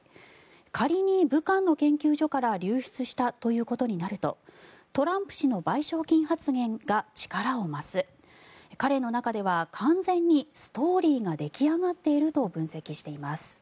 仮に武漢の研究所から流出したということになるとトランプ氏の賠償金発言が力を増す彼の中では完全にストーリーが出来上がっていると分析しています。